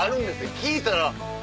聞いたら。